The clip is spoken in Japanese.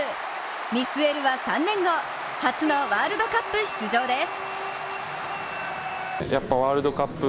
見据えるは３年後、初のワールドカップ出場です。